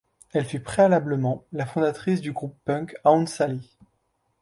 Elle fut préalablement la fondatrice du groupe punk Aunt Sally.